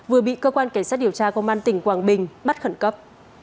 vừa bị cơ quan cảnh sát điều tra công an tỉnh quảng bình bắt khẩn cấp